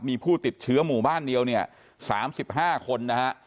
มีผู้ติดเชื้อหมู่บ้านเดียวเนี่ย๓๕คนนะฮะ